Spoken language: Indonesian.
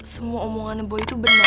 semua omongannya boy itu benar